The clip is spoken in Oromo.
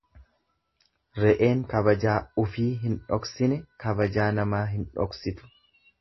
Re'een kabajaa ufii hin dhoksine kabajaa namaa hin dhoksitu.